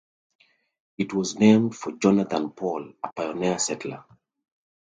It was named for Jonathan Paul, a pioneer settler.